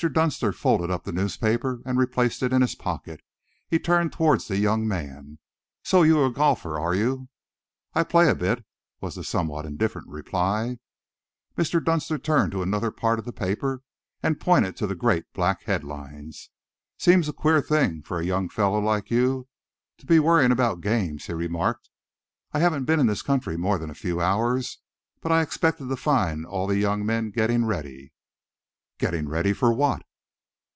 Dunster folded up the newspaper and replaced it in his pocket. He turned towards the young man. "So you're a golfer, are you?" "I play a bit," was the somewhat indifferent reply. Mr. Dunster turned to another part of the paper and pointed to the great black head lines. "Seems a queer thing for a young fellow like you to be worrying about games," he remarked. "I haven't been in this country more than a few hours, but I expected to find all the young men getting ready." "Getting ready for what?"